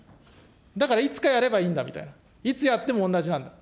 だからいつかやればいいんだみたいな、いつやっても同じなんだ。